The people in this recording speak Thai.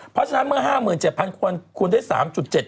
เพราะฉะนั้นเมื่อ๕๗๐๐คนคูณได้๓๗